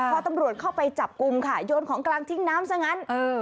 พอตำรวจเข้าไปจับกลุ่มค่ะโยนของกลางทิ้งน้ำซะงั้น